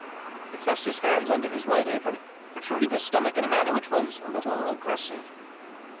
He thrust his hands under his white apron, pro truding his stomach in a manner which was a little aggressive.